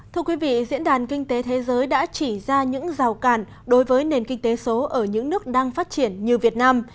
thưa quý vị diễn đàn kinh tế thế giới đã chỉ ra những rào cản đối với nền kinh tế số ở những nước đang phát triển như việt nam